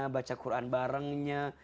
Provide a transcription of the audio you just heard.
baca quran barengnya